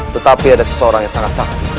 tetapi ada seseorang yang sangat sakit